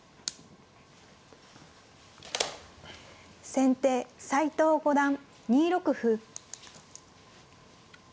先手斎藤五段２六歩。